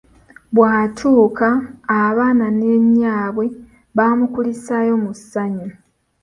Bw’atuuka, abaana ne nnyaabwe bamukulisaayo mu ssannyu.